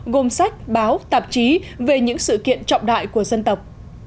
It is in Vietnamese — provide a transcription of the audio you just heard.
gồm sách báo tạp chí về những sự kiện trọng đại của dân tộc